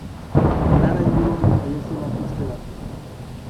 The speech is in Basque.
Nara inguruan jaio zela uste da.